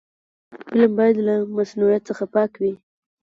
فلم باید له مصنوعیت څخه پاک وي